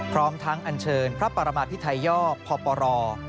พร้อมทั้งอันเชิญพระปรมาพิทัยยอกพปร